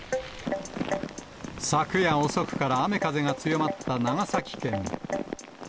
昨夜遅くから雨風が強まった長崎県。